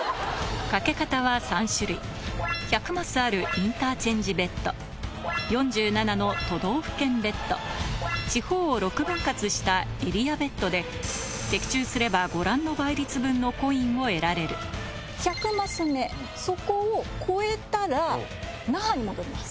賭け方は３種類１００マスあるインターチェンジＢＥＴ４７の都道府県ＢＥＴ地方を６分割したエリアＢＥＴで的中すればご覧の倍率分のコインを得られる１００マス目そこを超えたら那覇に戻ります。